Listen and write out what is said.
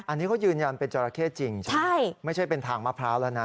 อันนี้เขายืนยันเป็นจราเข้จริงไม่ใช่เป็นทางมะพร้าวแล้วนะ